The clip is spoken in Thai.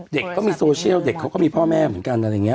เด็กก็มีโซเชียลเด็กเขาก็มีพ่อแม่เหมือนกันอะไรอย่างนี้